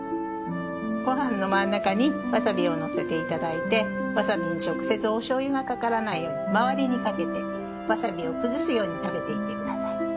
ごはんの真ん中にわさびをのせていただいてわさびに直接おしょうゆがかからないように周りにかけてわさびを崩すように食べていってください。